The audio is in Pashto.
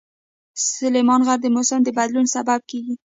سلیمان غر د موسم د بدلون سبب کېږي.